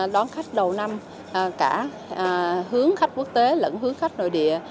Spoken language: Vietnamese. đón khách đầu năm cả hướng khách quốc tế lẫn hướng khách nội địa